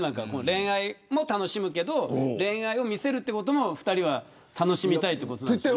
恋愛も楽しむけど恋愛を見せるってことも２人は楽しみたいということでしょうね。